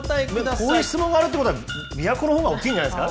こういう質問があるってことは、琵琶湖のほうが大きいんじゃないですか。